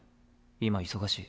今忙しい。